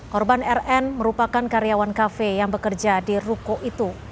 korban rn merupakan karyawan kafe yang bekerja di ruko itu